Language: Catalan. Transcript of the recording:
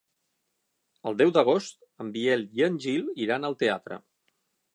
El deu d'agost en Biel i en Gil iran al teatre.